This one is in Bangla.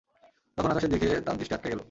তখন আকাশের দিকে তাঁর দৃষ্টি আটকে গেল।